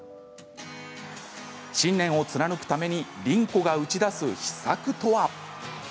信念を貫くために凛子が打ち出す秘策とは？